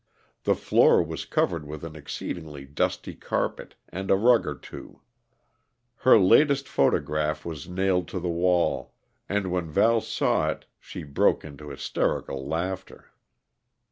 The floor was covered with an exceedingly dusty carpet, and a rug or two. Her latest photograph was nailed to the wall; and when Val saw it she broke into hysterical laughter.